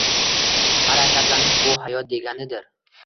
Harakatlanish — bu hayot deganidir.